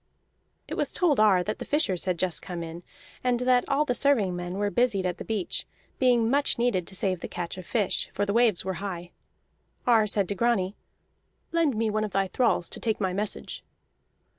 It was told Ar that the fishers had just come in, and that all the serving men were busied at the beach, being much needed to save the catch of fish, for the waves were high. Ar said to Grani: "Lend me one of thy thralls to take my message."